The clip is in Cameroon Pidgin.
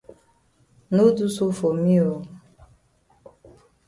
No do so for me oo.